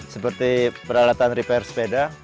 seperti peralatan repair sepeda